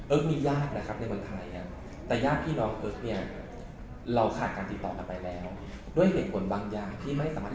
เอิ๊กมีญาตินะครับด้วยบนไทย